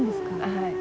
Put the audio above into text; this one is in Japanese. はい。